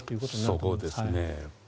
そうですね。